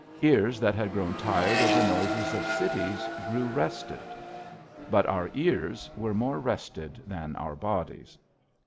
Ears that had grown tired of the noises of cities grew rested. But our ears were more rested than our bodies.